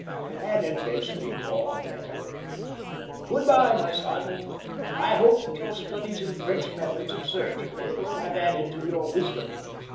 An immensely long letter! Goodbye, my son. I hope that your studies in French methods of surgery will have added to your wisdom.